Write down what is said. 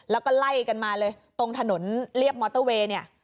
แล้วก็ไล่กันมาเลยตรงถนนเรียบมอเตอร์เวย์เนี่ย